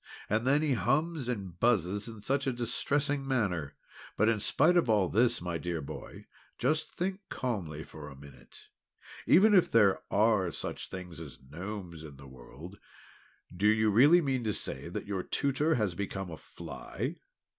And, then, he hums and buzzes in such a distressing manner. But in spite of all this, my dear boy, just think calmly for a minute. Even if there are such things as Gnomes in the world, do you really mean to say that your Tutor has become a fly?"